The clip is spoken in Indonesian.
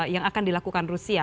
yang akan dilakukan rusia